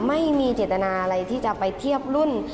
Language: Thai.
ไม่มีเจตนาอะไรที่จะไปเทียบรุ่น